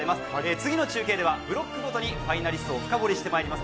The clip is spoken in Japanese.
次の中継ではブロックごとにファイナリストを深掘りしてまいります。